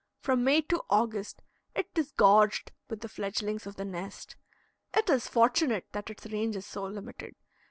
From May to August, it is gorged with the fledglings of the nest. It is fortunate that its range is so limited.